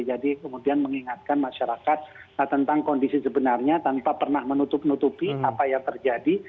jadi kemudian mengingatkan masyarakat tentang kondisi sebenarnya tanpa pernah menutup nutupi apa yang terjadi